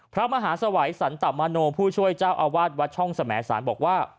พระมหาสวัยสันตมโนผู้ช่วยเจ้าอาวาสวัดช่องสมสารบอกว่า